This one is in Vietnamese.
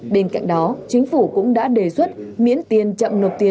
bên cạnh đó chính phủ cũng đã đề xuất miễn tiền chậm nộp tiền